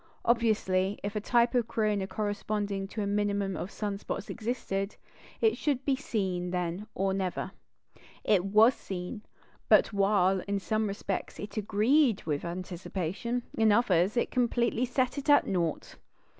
Obviously, if a type of corona corresponding to a minimum of sun spots existed, it should be seen then or never. It was seen; but while, in some respects, it agreed with anticipation, in others it completely set it at naught.